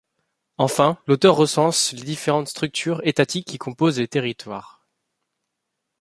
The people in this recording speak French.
Enfin, l'auteur recense les différentes structures étatiques qui composent les territoires.